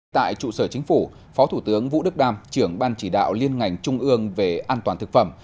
tại trụ sở chính phủ phó thủ tướng vũ đức đam trưởng ban chỉ đạo liên ngành trung ương về an toàn thực phẩm